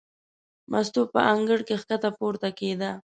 مستو په انګړ کې ښکته پورته کېده.